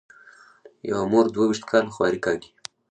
یوه مور دوه وېشت کاله خواري کاږي.